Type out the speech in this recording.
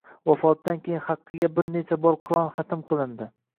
Vafotidan keyin haqqiga bir necha bor Qur’on xatm qilindi.